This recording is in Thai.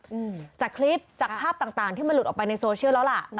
อืมจากคลิปจากภาพต่างต่างที่มันหลุดออกไปในโซเชียลแล้วล่ะ